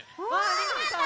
ありがとう！